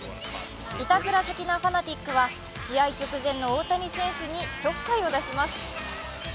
いたずら好きなファナティックは試合直前の大谷選手にちょっかいを出します。